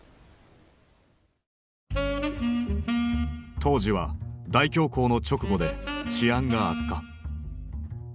当時は大恐慌の直後で治安が悪化。